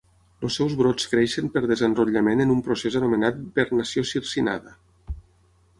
Els seus brots creixen per desenrotllament en un procés anomenat vernació circinada.